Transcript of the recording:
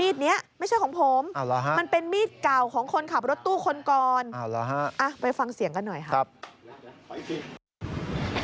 ไม่ใช่ของผมมันเป็นมีดเก่าของคนขับรถตู้คนก่อนไปฟังเสียงกันหน่อยค่ะครับ